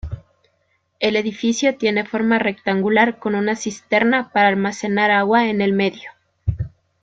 El edificio tiene forma rectangular con una cisterna para almacenar agua en el medio.